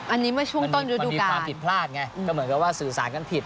อันนี้เมื่อช่วงต้นฤดูการความผิดพลาดไงก็เหมือนกับว่าสื่อสารกันผิด